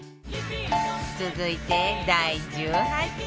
続いて第１８位は